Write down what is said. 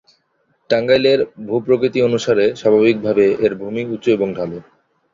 টাঙ্গাইলের ভূ-প্রকৃতি অনুসারে স্বাভাবিক ভাবে এর ভূমি উঁচু এবং ঢালু।